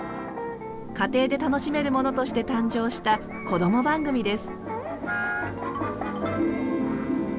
家庭で楽しめるものとして誕生したこども番組です。